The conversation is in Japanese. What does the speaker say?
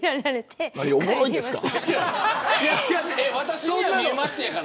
何がおもろいんですか。